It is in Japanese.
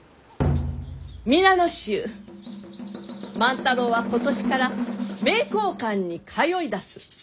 皆の衆万太郎は今年から名教館に通いだす。